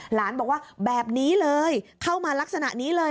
หลานบอกว่าแบบนี้เลยเข้ามาลักษณะนี้เลย